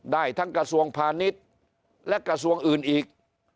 ได้ทั้งกระทรวงพาณิชย์และกระทรวงอื่นอีก